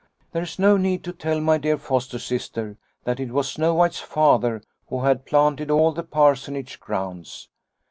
" There is no need to tell my dear foster sister that it was Snow White's Father who had planted all the Parsonage grounds.